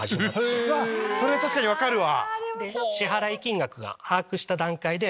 それ確かに分かるわ！